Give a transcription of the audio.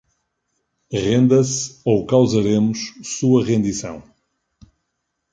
Renda-se ou causaremos sua rendição